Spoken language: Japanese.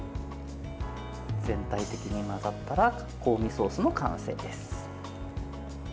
全体的に混ざったら香味ソースの完成です。